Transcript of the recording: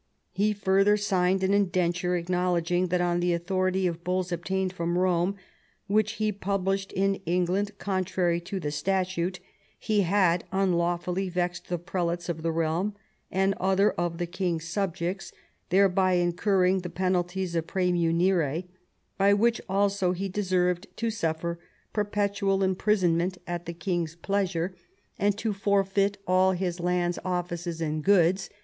He further signed an indenture acknowledging that on the authority of bulls obtained from Eome, which he published in England contrary to the statute, he had unlawfully vexed the prelates of the realm and other of the king's subjects, thereby incurring the penalties of prmmimire, by which also he deserved to suffer perpetual imprisonment at the king's pleasure, and X THE FALL OF WOLSEY 187 to forfeit all his lands, offices, and goods.